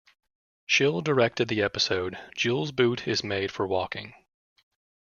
Shill directed the episode "Jewel's Boot Is Made for Walking".